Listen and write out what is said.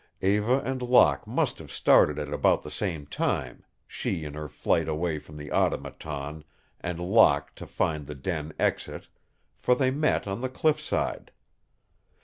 Eva and Locke must have started at about the same time, she in her flight away from the Automaton, and Locke to find the den exit, for they met on the cliffside.